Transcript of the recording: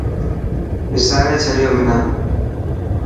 وساري ڇڏيو منا.